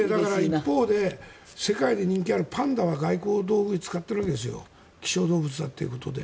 一方で世界で人気のあるパンダは外交道具に使っているわけですよ希少動物だっていうことで。